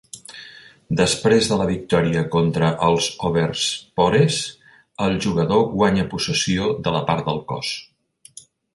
Després de la victòria contra els overspores, el jugador guanya possessió de la part del cos.